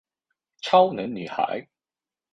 超能女孩。